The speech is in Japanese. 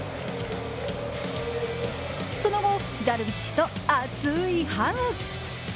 その後、ダルビッシュと熱いハグ。